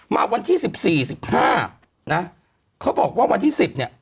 มาวันที่๑๔๑๕นะเขาบอกว่าวันที่๑๐เนี่ย